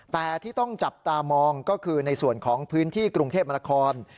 แต่ที่ต้องจับตามองก็คือในส่วนของพื้นที่กรุงเทพมนาคม